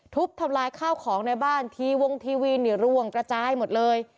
ทุบทำลายข้าวของในบ้านทีวงทีวีนี่ร่วงกระจายหมดเลย